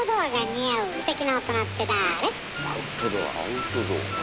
アウトドア。